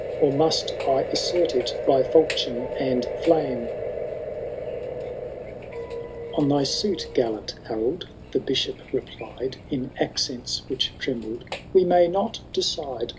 Or must I assert it by Mchion and flame P — XII. '' On thy suit, gallant Harold, the Bishop replied In accents which trembled, '* we may not decide.